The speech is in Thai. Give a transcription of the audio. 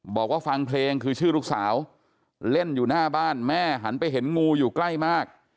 บอกว่าฟังเพลงคือชื่อลูกสาวเล่นอยู่หน้าบ้านแม่หันไปเห็นงูอยู่ใกล้มาก